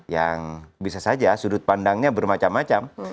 yang bisa saja sudut pandangnya bermacam macam